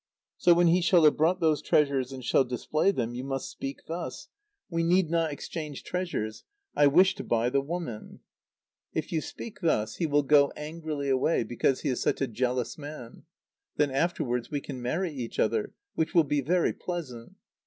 So when he shall have brought those treasures and shall display them, you must speak thus: 'We need not exchange treasures. I wish to buy the woman!' If you speak thus, he will go angrily away, because he is such a jealous man. Then afterwards we can marry each other, which will be very pleasant.